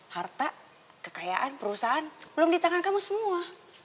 harta kekayaan perusahaan belum di tangan kamu semua